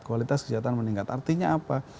kualitas kejahatan meningkat artinya apa